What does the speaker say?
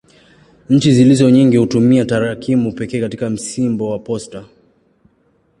Nchi zilizo nyingi hutumia tarakimu pekee katika msimbo wa posta.